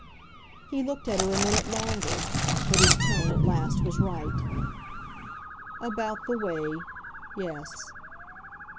He looked at her a minute longer, but his tone at last was right. "About the way yes."